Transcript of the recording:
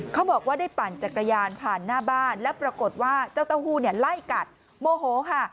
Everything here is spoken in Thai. เขาบอกว่าได้ปั่นจักรยานผ่านหน้าบ้านแล้วปรากฏว่าเจ้าเต้าหู้ไล่กัดโมโหค่ะ